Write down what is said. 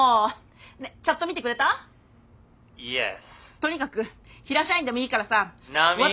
とにかく平社員でもいいからさ私。